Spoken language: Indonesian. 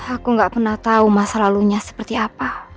aku gak pernah tahu masa lalunya seperti apa